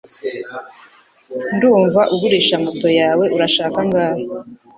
Ndumva ugurisha moto yawe Urashaka angahe